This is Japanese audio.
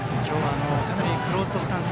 かなりクローズドスタンス。